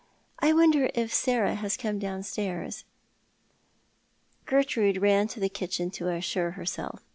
I wonder if Sarah has come downstairs ?" Gertrude ran to the kitchen to assure herself.